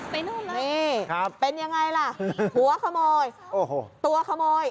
นู่นเลยนี่ครับเป็นยังไงล่ะหัวขโมยโอ้โหตัวขโมย